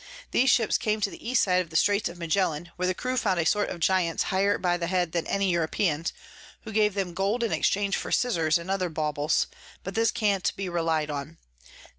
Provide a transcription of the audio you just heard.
These Ships came to the East side of the Straits of Magellan, where the Crew found a sort of Giants higher by the Head than any Europeans, who gave them Gold in exchange for Scissars and other Bawbles; but this can't be rely'd on.